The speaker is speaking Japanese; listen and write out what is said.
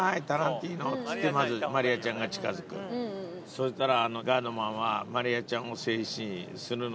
そしたら。